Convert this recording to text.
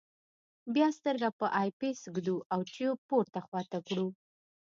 بیا سترګه په آی پیس ږدو او ټیوب پورته خواته وړو.